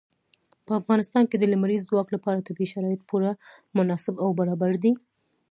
په افغانستان کې د لمریز ځواک لپاره طبیعي شرایط پوره مناسب او برابر دي.